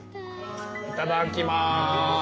いただきます。